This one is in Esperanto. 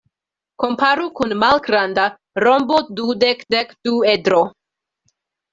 Komparu kun malgranda rombo-dudek-dekduedro.